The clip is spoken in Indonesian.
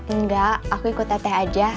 enggak aku ikut teteh aja